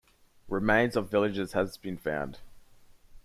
Remains of villages has been found.